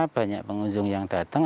banyak pengunjung yang datang